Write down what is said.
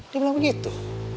dia bilang begitu